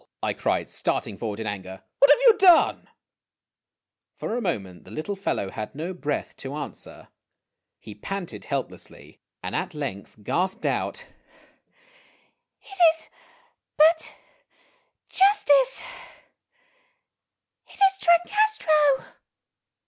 I cried, starting forward in anger; "what have you done ?' For a moment the little fel low had no breath to answer. He panted helplessly, and at length gasped out : "It is but justice ! It is Trancastro